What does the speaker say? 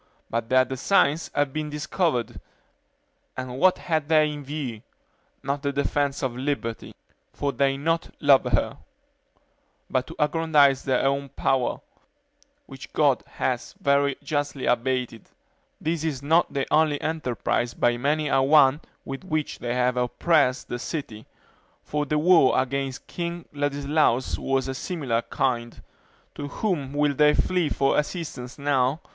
but their designs have been discovered; and what had they in view? not the defense of liberty; for they do not love her; but to aggrandize their own power, which God has very justly abated. This is not the only enterprise by many a one with which they have oppressed the city; for the war against King Ladislaus was of a similar kind. To whom will they flee for assistance now?